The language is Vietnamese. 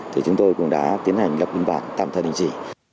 thì chúng tôi cũng đã tiến hành lập biên bản tạm thời đình chỉ